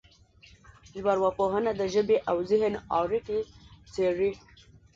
ژبارواپوهنه د ژبې او ذهن اړیکې څېړي